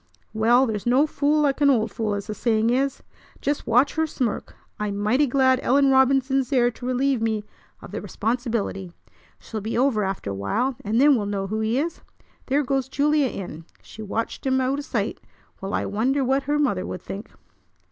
"Well, there's no fool like an old fool, as the saying is! Just watch her smirk! I'm mighty glad Ellen Robinson's there to relieve me of the responsibility. She'll be over after a while, and then we'll know who he is. There goes Julia in. She watched him out o' sight! Well, I wonder what her mother would think."